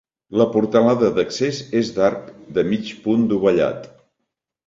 La portalada d'accés és d'arc de mig punt dovellat.